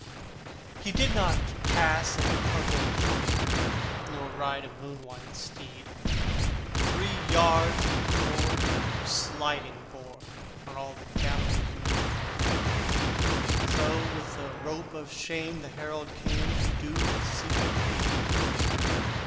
He did not pass in purple pomp, Nor ride a moon white steed. Three yards of cord and a sliding board Are all the gallows' need: So with rope of shame the Herald came To do the secret deed.